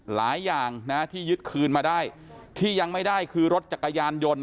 หลายอย่างนะที่ยึดคืนมาได้ที่ยังไม่ได้คือรถจักรยานยนต์